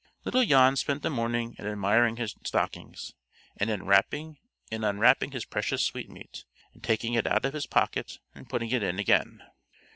Little Jan spent the morning in admiring his stockings, and in wrapping and unwrapping his precious sweetmeat, and taking it out of his pocket and putting it in again.